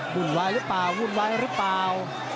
วุ่นวายหรือเปล่าวุ่นวายหรือเปล่า